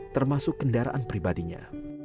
termasuk kendaraan pribadinya